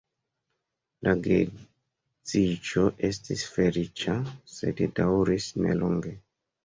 La geedziĝo estis feliĉa, sed daŭris nelonge.